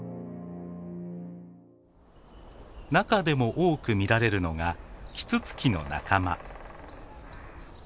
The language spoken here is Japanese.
中でも多く見られるのがキツツキの仲間。